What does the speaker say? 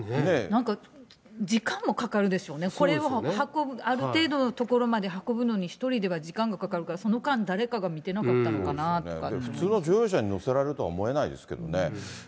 なんか、時間もかかるでしょうね、これを運ぶ、ある程度のところまで運ぶのに１人では時間がかかるから、その間、誰かが見て普通は乗用車に乗せられるとは思えないですけどね。